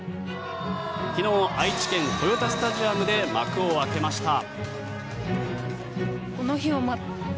昨日、愛知県・豊田スタジアムで幕を開けました。